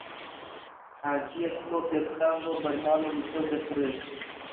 حاجییەک تۆپێک خام بۆ بەرماڵی مزگەوت دەکڕێ